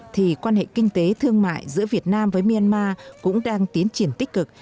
thì quan hệ kinh tế thương mại giữa việt nam với myanmar cũng đang tiến triển tích cực